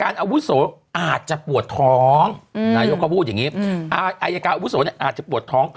อาวุธโสอาจจะปวดท้องอายการอาวุธโสอาจจะปวดท้อง